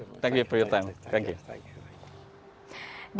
terima kasih atas waktu anda